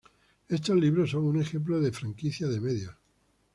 Estos libros son un ejemplo de franquicia de medios.